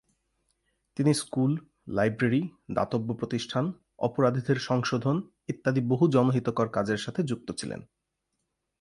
তিনি school, library, দাতব্য প্রতিষ্ঠান, অপরাধীদের সংশোধন ইত্যাদি বহু জনহিতকর কাজের সাথে যুক্ত ছিলেন।